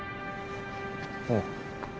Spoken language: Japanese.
うん。